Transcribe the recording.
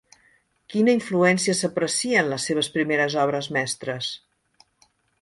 Quina influència s'aprecia en les seves primeres obres mestres?